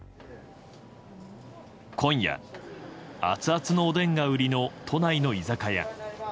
今夜、アツアツのおでんが売りの都内の居酒屋。